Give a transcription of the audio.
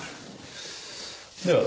では。